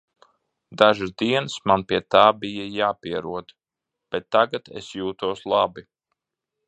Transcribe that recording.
Dažas dienas man pie tā bija jāpierod, bet tagad es jūtos labi.